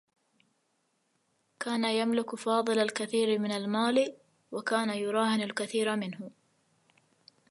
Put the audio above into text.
كان يملك فاضل الكثير من المال و كان يراهن الكثير منه.